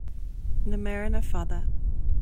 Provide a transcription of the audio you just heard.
Na méireanna fada